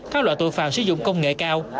các loại tội phạm sử dụng công nghệ cao